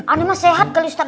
ani mah sehat kali ustaz